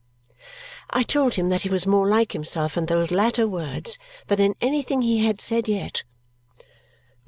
I told him that he was more like himself in those latter words than in anything he had said yet.